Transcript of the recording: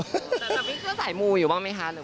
แต่ทำให้เครื่องสายมูอยู่บ้างไหมคะ